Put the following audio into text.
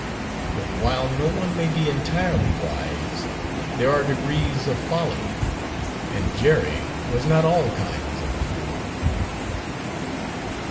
But while no one may be entirely wise, there are degrees of folly, and Jerry was not all kinds of a fool.